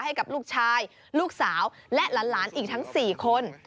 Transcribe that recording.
ให้กับลูกชายลูกสาวและหลานอีกทั้ง๔คน